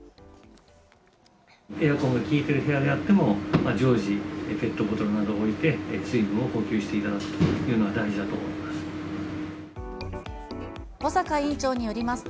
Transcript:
エアコンが効いてる部屋であっても、常時、ペットボトルなどを置いて、水分を補給していただくというのが大事だと思います。